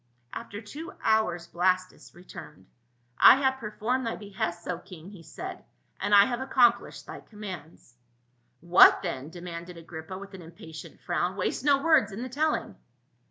After two hours Blastus returned. " I have per formed thy behests, O king," he said, " and I have ac complished thy commands." " What then ?" demanded Agrippa with an impatient frown. " Waste no words in the telling."